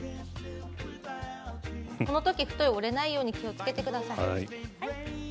このときフトイが折れないように気をつけてください。